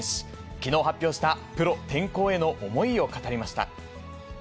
きのう発表したプロ転向への思いを語りました。